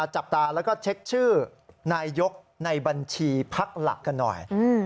จับตาแล้วก็เช็คชื่อนายยกในบัญชีพักหลักกันหน่อย